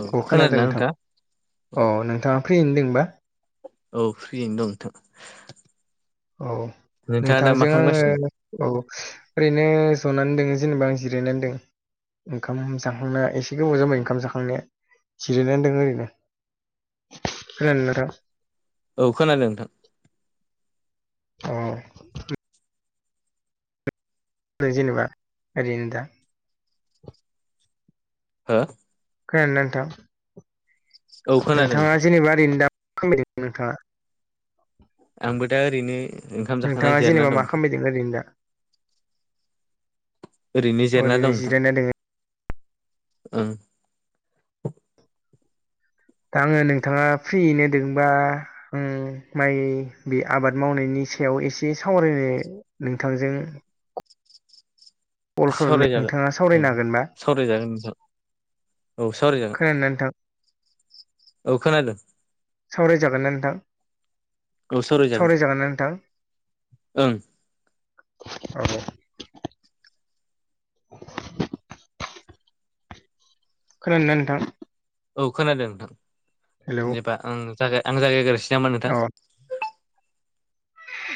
औ अ खोनादों खोनादोंना नोंथां नोंथाङा अ औ नोंथाङा फ्रियैनो दोंबा? औ फ्रियैनो दं नोंथां। औ नोंथाङा दा मा नोंथांजों आङो खालामगासिनो औ ओरैनो जनानै दङ जेनेबा आं जिरायनानै दङ। ओंखाम जाखांनाया एसे गोबाव जाबायो ओंखाम जाखांनाया जिरायनानै दं ओरैनो जनोार [unintelligible] औ खोनादों नोंथां अ जेनेबा ओरैनो दा हो खोनादोंना नोंथां औ खोनादों नोंथाङा नोंथां जेनेबा ओरैनो दा खामायदों नोंथाङा? आंबो दा ओरैनो ओंखाम जाखांनाय नोंथाङा जेरना जेनेबा मा दं। खालामबायदों ओरैनो दा ओरैनो जेरना दं नोंथां जिरायना दोङो ओं दा आङो नोंथाङा फ्रियैनो दोंबा माइ बे आबाद मावनायनि सायाव एसे सावरायनो नोंथांजों कल खालामनाय सावरायजागोन नोंथाङा औ सावरायनो हागोनबा? सावरायजागोन नोंथां औ सावरायजागोन। औ नोंथां। औ खानादों। सावराय जागोनना नोंथां औ सावरायजागोन सावराय जागोनना नोंथां। ओं औ। [inaudible] खोनादोंना नोंथां। औ खोनादों हेलौ नोंथां जेबा आं जागाय आं जायागायग्रोसै नामा अ नोंथां?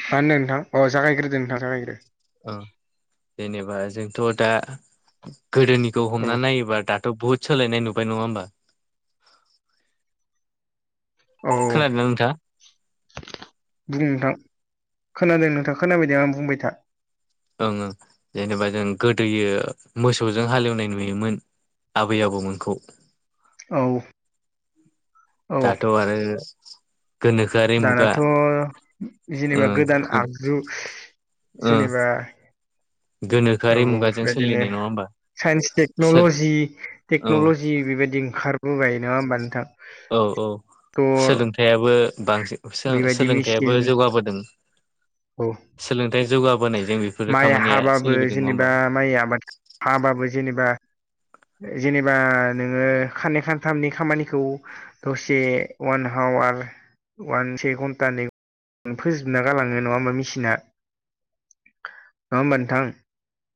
मा होनदों नोंथां अह जागायग्रोदो नोंथांआनो जागायग्रोदो। औ जेनेबा जोंथ' दा गोदोनिखौ औ हमना नायोबा दा थ' बहुत सोलायनाय नुबाय नङा होमबा? औ खोनादों ना नोंथां? बुं नोंथां खोनादों नोंथां खोनाबायदों आं बुंबाय था। ओं ओं जेनेबा जों गोदोयो मोसौजों हालेवनाय नुयोमोन। आबै आबौमोनखौ। औ। औ दाथ' आरो गोनोखो दानाथ' ओ जेनेबा गोदान आगजु ओ जेनेबा औ गोनोखोआरि मुगाजों बेबायदिनो सोलिनाय नङा होमबा। साइन्स सोर टेक्न'लजि औ टेक्न'ल'जि बेबायदि ओंखारबोबाय नङा होमबा नोंथां। औ औ। टर सोलोंथाइयाबो बांसिन बेबायदि मेसिन सोलोंथायाइयाबो जौगाबोदों। औ सोलोंथायाइ जौगाबोनायजों बेफोरो खामानिया जाबाबो सोलिबोदों नङा जेनेबा होमबा माइ आबाद हाबाबो जेनेबा जेनेबा नोङो खाननै खानथामनि खामानिखौ दसे वान हाआवार वान से घन्टानि फोजोबना गालाङो। नङा होनबा मिसिना नङा होमबा नोंथां।